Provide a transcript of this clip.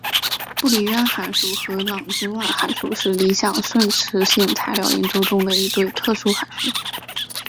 布里渊函数和郎之万函数是理想顺磁性材料研究中的一对特殊函数。